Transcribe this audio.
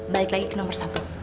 balik lagi ke nomor satu